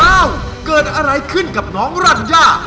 ว้าวกฎอะไรขึ้นกับน้องรัญญา